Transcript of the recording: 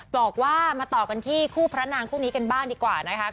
บอกว่ามาต่อกันที่คู่พระนางคู่นี้กันบ้างดีกว่านะคะ